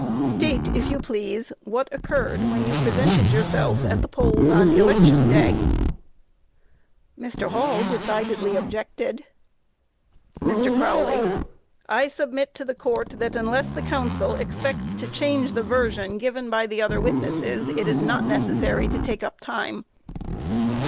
Q. State, if you please, what occurred when you presented yourself at the polls on election day? A. Mr. Hall decidedly objected MR. CROWLEY: I submit to the Court that unless the counsel expects to change the version given by the other witnesses, it is not necessary to take up time.